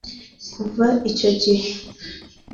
Kuva icyo gihe